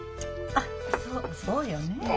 あっそうよねえ。